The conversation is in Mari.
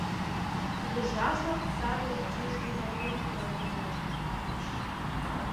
Кугыжажлан саде кӱжгӧ марийым шогалтынешт, манеш.